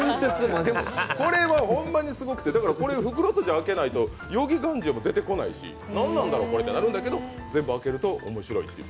これはホンマにすごくて、袋とじ開けないとヨギガンジーは出てこないし何なんだろうって思うんだけど全部開けると分かるっていう。